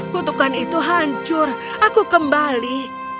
kutukan itu hancur aku kembali